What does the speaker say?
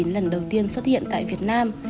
lần đầu tiên xuất hiện tại việt nam